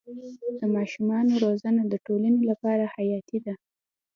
د ماشومانو روزنه د ټولنې لپاره حیاتي ده.